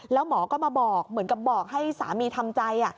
แล้วหมอก็มาบอกเหมือนกับบอกให้สามีทำใจ